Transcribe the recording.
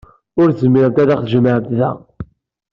Ur tezmiremt ad aɣ-tjemɛemt da.